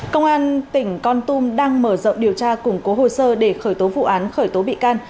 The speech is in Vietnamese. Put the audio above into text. công an tỉnh con tum đang mở rộng điều tra củng cố hồ sơ để khởi tố vụ án khởi tố bị can